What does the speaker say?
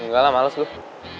gak lah males gue